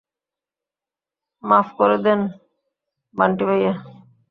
মাফ করে দেন, বান্টি-ভাইয়া।